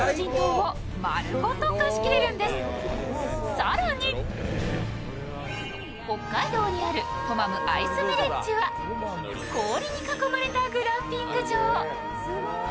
更に北海道にあるトマムアイスヴィレッジは氷に囲まれたグランピング場。